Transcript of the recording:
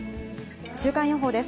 週間予報です。